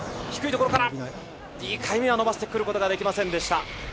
低いところから、２回目は伸ばしてくることができませんでした。